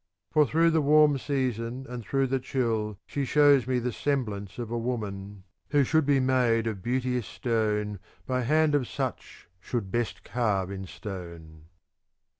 For through the warm season and through the chill she shows me the semblance of a woman who should be made of beauteous stone by hand of such as should best carve in stone.